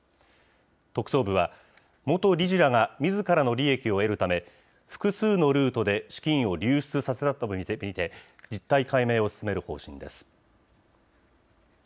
特捜部は、元理事らがみずからの利益を得るため、複数のルートで資金を流出させたと見て、実態解明を進める方針です。